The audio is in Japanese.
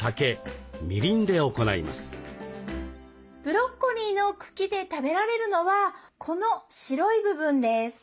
ブロッコリーの茎で食べられるのはこの白い部分です。